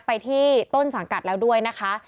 ไปที่ต้นสังกัดแล้วด้วยนะคะ